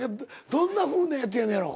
どんなふうなやつやねんやろ。